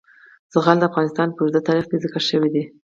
زغال د افغانستان په اوږده تاریخ کې ذکر شوی دی.